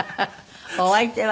お相手は？